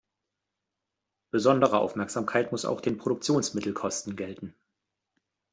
Besondere Aufmerksamkeit muss auch den Produktionsmittelkosten gelten.